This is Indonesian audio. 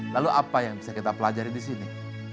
lalu apa yang bisa kita pelajari disini